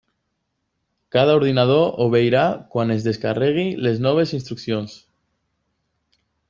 Cada ordinador obeirà quan es descarregui les noves instruccions.